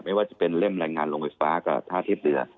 ไม่ว่าจะเป็นเล่มแรงงานโรงไฟฟ้ากับท่าเทียบเรือ